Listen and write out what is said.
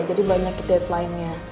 jadi banyak ngedep lainnya